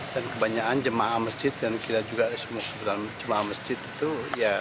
dan kebanyakan jemaah masjid dan kita juga semua jemaah masjid itu ya